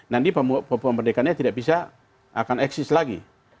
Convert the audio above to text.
nanti pemberdekaannya tidak bisa akan eksis lagi